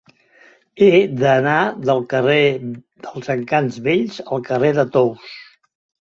He d'anar del carrer dels Encants Vells al carrer de Tous.